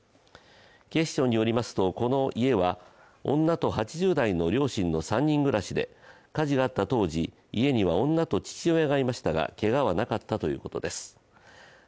警視庁によりますとこの家は女と８０代の両親の３人暮らしで火事があった当時、家には女と父親がいましたが容疑を認めているということで警視庁が